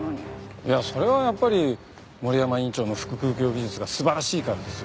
いやそれはやっぱり森山院長の腹腔鏡技術が素晴らしいからですよ。